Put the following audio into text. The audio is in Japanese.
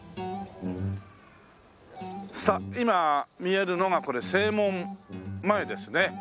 さあ今見えるのがこれ正門前ですね。